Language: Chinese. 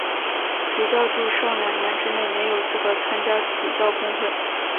主教祝圣两年之内没有资格参加主教公会。